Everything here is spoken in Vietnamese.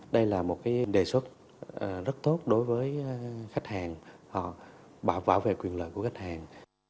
đây là một cái đề xuất rất tốt đối với khách hàng họ bảo vệ quyền lợi của khách hàng